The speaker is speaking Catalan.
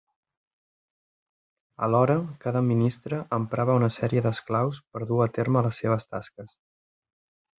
Alhora cada ministre emprava una sèrie d'esclaus per dur a terme les seves tasques.